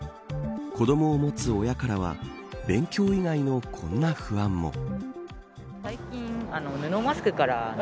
子どもを持つ親からは勉強以外のこんな不安も。